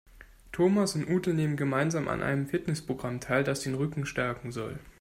Thomas und Ute nehmen gemeinsam an einem Fitnessprogramm teil, das den Rücken stärken soll.